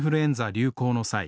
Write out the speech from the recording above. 流行の際